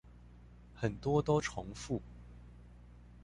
很多都重複